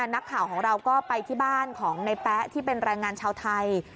นักข่าวของเราก็ไปที่บ้านของในแป๊ะที่เป็นแรงงานชาวไทย